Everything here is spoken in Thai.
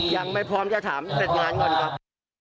ยังไม่พร้อมจะถามเสร็จงานก่อนครับ